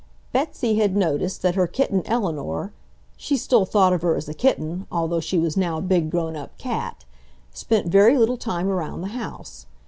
Betsy had noticed that her kitten Eleanor (she still thought of her as a kitten, although she was now a big, grown up cat) spent very little time around the house.